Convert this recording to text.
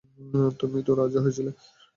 তুমিও তো রাজি হয়েছিলে।